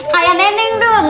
kayak neneng dong